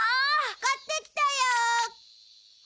買ってきたよ！